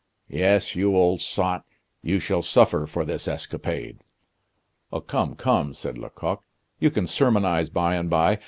Yes, you old sot, you shall suffer for this escapade." "Come, come," said Lecoq, "you can sermonize by and by.